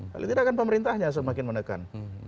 paling tidak kan pemerintahnya semakin menekan